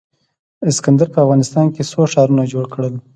اسکندر په افغانستان کې څو ښارونه جوړ کړل